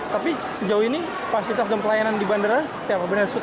tapi sejauh ini fasilitas dan pelayanan di bandara setiap benar benar sudah